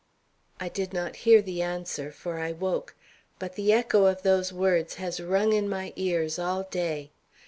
I did not hear the answer, for I woke; but the echo of those words has rung in my ears all day.